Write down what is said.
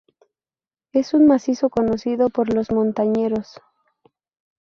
Es un macizo conocido por los montañeros.